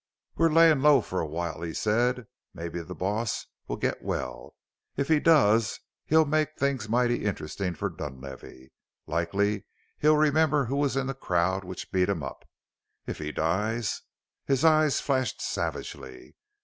"We're layin' low for a while," he said. "Mebbe the boss will get well. If he does he'll make things mighty interestin' for Dunlavey likely he'll remember who was in the crowd which beat him up. If he dies " His eyes flashed savagely.